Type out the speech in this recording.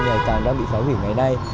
ngày càng đang bị phá hủy ngày nay